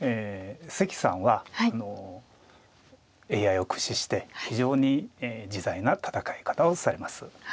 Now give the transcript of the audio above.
関さんはＡＩを駆使して非常に自在な戦い方をされます。